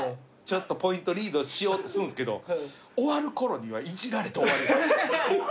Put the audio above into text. ちょっとポイントリードしようとするんですけど終わるころにはいじられて終わり。